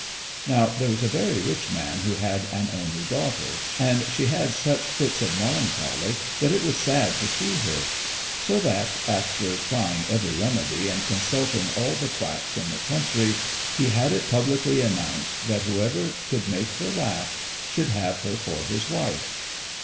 _] Now there was a very rich man who had an only daughter, and she had such fits of melancholy that it was sad to see her; so that, after trying every remedy and consulting all the quacks in the country, he had it publicly announced that whoever could make her laugh should have her for his wife.